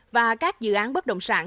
và các dự án bất động sản